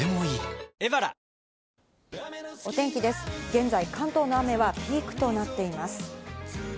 現在、関東の雨はピークとなっています。